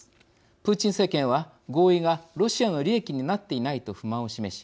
プーチン政権は合意がロシアの利益になっていないと不満を示し